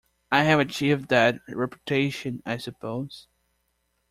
I have achieved that reputation, I suppose.